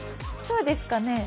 そうですかね？